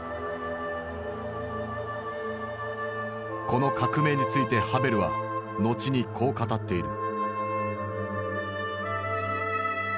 この革命についてハヴェルは後にこう語っている。